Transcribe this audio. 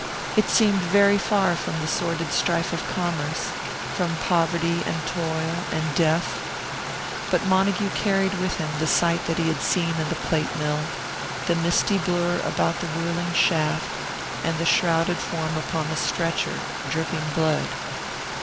It seemed very far from the sordid strife of commerce, from poverty and toil and death. But Montague carried with him the sight that he had seen in the plate mill, the misty blur about the whirling shaft, and the shrouded form upon the stretcher, dripping blood.